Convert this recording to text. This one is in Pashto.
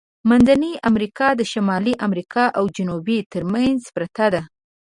منځنۍ امریکا د شمالی امریکا او جنوبي ترمنځ پرته ده.